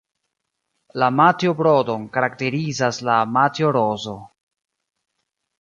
La matjo-brodon karakterizas la "matjo-rozo".